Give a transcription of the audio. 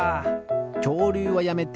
きょうりゅうはやめて。